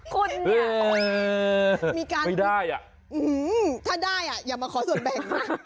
คุณมีการไม่ได้ถ้าได้อย่ามาขอส่วนแบ่ง